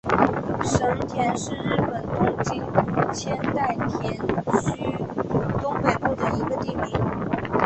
神田是日本东京都千代田区东北部的一个地名。